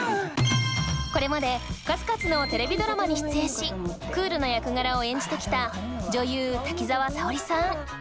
これまで数々のテレビドラマに出演しクールな役柄を演じてきた女優滝沢沙織さん